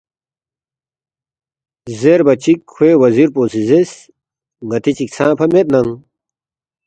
زیربا چِک کھوے وزیر پو سی زیرس، ”ن٘تی چِک ژھنگفا میدننگ